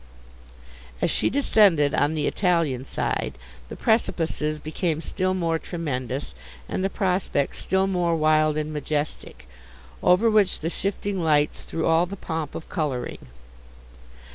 As she descended on the Italian side, the precipices became still more tremendous, and the prospects still more wild and majestic, over which the shifting lights threw all the pomp of colouring.